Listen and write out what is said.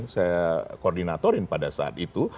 saya koordinatorin pada saat itu